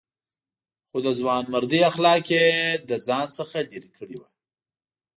خو د ځوانمردۍ اخلاق یې له ځان څخه لرې کړي وو.